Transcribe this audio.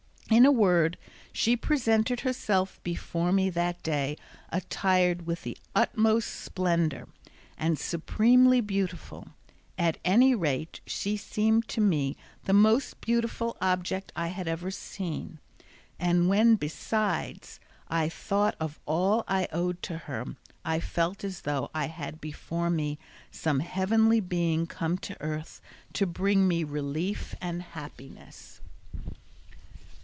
In a word she presented herself before me that day attired with the utmost splendour, and supremely beautiful; at any rate, she seemed to me the most beautiful object I had ever seen; and when, besides, I thought of all I owed to her I felt as though I had before me some heavenly being come to earth to bring me relief and happiness.